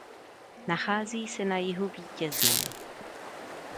Nachází se na jihu Vítězné.